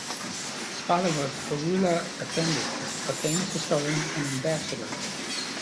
His father was Hayrullah Efendi, a famous historian and ambassador.